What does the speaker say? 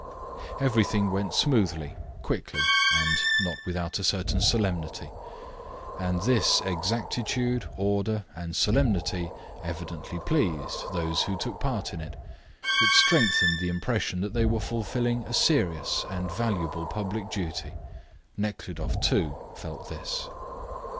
Everything went smoothly, quickly, and not without a certain solemnity. And this exactitude, order, and solemnity evidently pleased those who took part in it: it strengthened the impression that they were fulfilling a serious and valuable public duty. Nekhludoff, too, felt this.